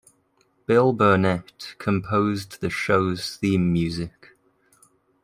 Bill Burnett composed the show's theme music.